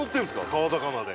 川魚で。